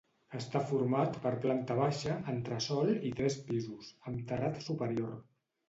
Està format per planta baixa, entresòl i tres pisos, amb terrat superior.